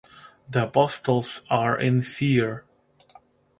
The Apostles are in fear.